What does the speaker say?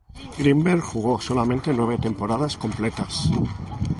Greenberg jugó solamente nueve temporadas completas.